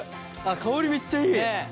香りめっちゃいい！